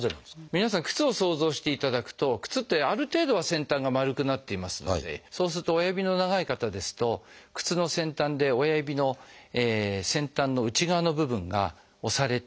皆さん靴を想像していただくと靴ってある程度は先端が丸くなっていますのでそうすると親指の長い方ですと靴の先端で親指の先端の内側の部分が押されて。